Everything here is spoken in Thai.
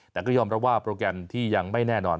แต่ก็ยอมรับว่าโปรแกรมที่ยังไม่แน่นอน